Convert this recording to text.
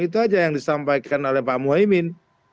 itu saja yang disampaikan oleh pak mohaimin